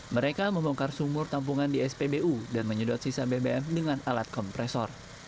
mereka membongkar sumur tampungan di spbu dan menyedot sisa bbm dengan alat kompresor